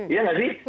iya gak sih